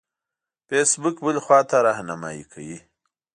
فیسبوک بلې خواته رهنمایي کوي.